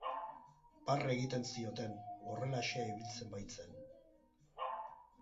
Barre egiten zioten, horrelaxe ibiltzen baitzen.